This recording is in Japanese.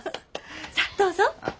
さっどうぞ。